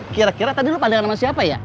kira kira tadi lo pandang sama siapa ya